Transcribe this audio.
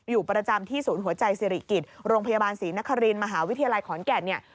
อยู่ประจำที่ศูนย์หัวใจสิริกิจโรงพยาบาลศรีนครินมหาวิทยาลัยขอนแก่นเนี่ย